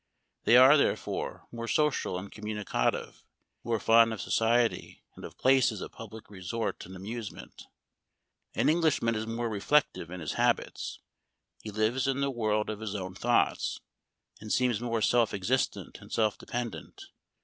They are, therefore, more social and communicative ; more fond of society, and of places of public resort and amusement. An Englishman is more reflective in his habits. He lives in the world of his own thoughts, and seems more self existent and self depend ent.